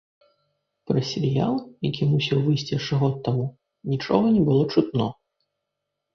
Пра серыял, які мусіў выйсці яшчэ год таму, нічога не было чутно.